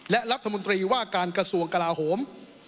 และรัฐมนตรีว่าการกระทรวงกลาโหม